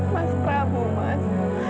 mas prabu mas